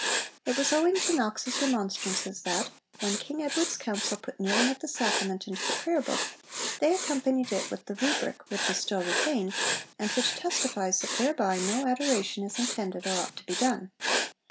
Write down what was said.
It was owing to Knox's remonstrances that, when King Edward's Council put kneeling at the Sacrament into the Prayer Book, they accompanied it with the Rubric, which is still retained, and which testifies 'that thereby no adoration is intended or ought to be done.'